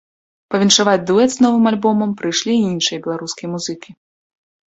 Павіншаваць дуэт з новым альбомам прыйшлі і іншыя беларускія музыкі.